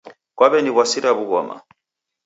Kwaw'eniw'asira w'ughoma